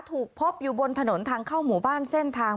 ถูกพบอยู่บนถนนทางเข้าหมู่บ้านเส้นทาง